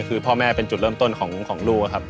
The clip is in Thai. คือพ่อแม่เป็นจุดเริ่มต้นของลูกครับ